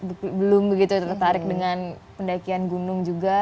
ada beberapa yang belum begitu tertarik dengan pendakian gunung juga